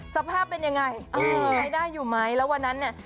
สภาพเป็นยังไงไม่ได้อยู่ไหมแล้ววันนั้นเนี่ย